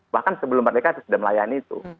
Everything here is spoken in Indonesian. bahkan sebelum merdeka sudah melayani itu